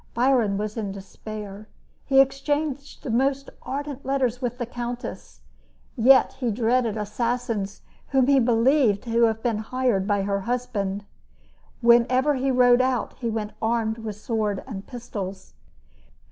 Byron was in despair. He exchanged the most ardent letters with the countess, yet he dreaded assassins whom he believed to have been hired by her husband. Whenever he rode out, he went armed with sword and pistols.